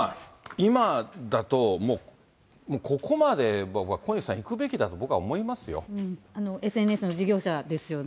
今だと、ここまで、僕は小西さん、いくべきだと、ＳＮＳの事業者ですよね。